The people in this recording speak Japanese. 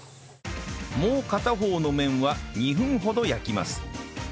もう片方の面は２分ほど焼きます